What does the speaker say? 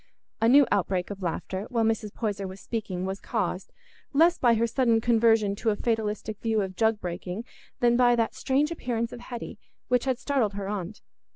A new outbreak of laughter, while Mrs. Poyser was speaking, was caused, less by her sudden conversion to a fatalistic view of jug breaking than by that strange appearance of Hetty, which had startled her aunt.